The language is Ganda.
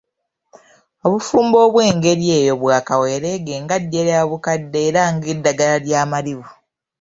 Obufumbo obw'engeri eyo bwa kaweereege nga ddya lya bukadde era ng'eddagala lya malibu!